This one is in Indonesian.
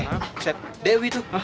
eh set dewi tuh